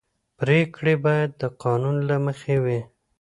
پرېکړې باید د قانون له مخې وي